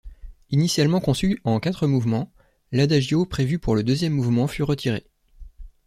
Initialement conçu en quatre mouvements, l'adagio prévu pour le deuxième mouvement fut retiré.